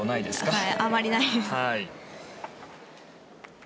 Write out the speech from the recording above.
あまりないです。